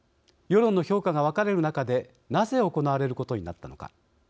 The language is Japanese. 世論の評価が分かれる中でなぜ行われることになったのか。